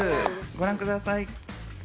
ご覧ください。